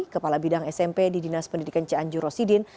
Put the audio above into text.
kepala bidang smp di dinas pendidikan cianjur rosidin